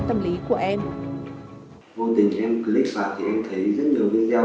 vô tình em click vào thì em thấy rất nhiều video có